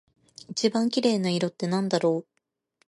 一番綺麗な色ってなんだろう？